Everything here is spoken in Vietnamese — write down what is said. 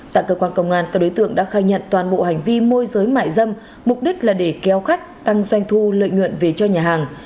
tại cơ quan công an các đối tượng đã khai nhận toàn bộ hành vi môi giới mại dâm mục đích là để kéo khách tăng doanh thu lợi nhuận về cho nhà hàng